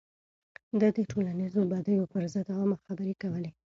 ده د ټولنيزو بديو پر ضد عامه خبرې کولې.